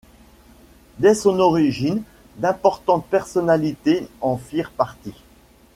Dès son origine, d'importantes personnalités en firent partie.